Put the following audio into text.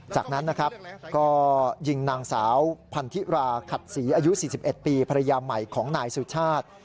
จากนั้นนะครับก็ยิงนางสาวพันธิราขัดศรีอายุ๔๑ปีภรรยาใหม่ของนายสุชาติ